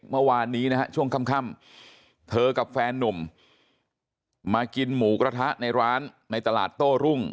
เมื่อวานนี้นะฮะช่วงค่ำเธอกับแฟนนุ่มมากินหมูกระทะในร้านในตลาดโต้รุ่ง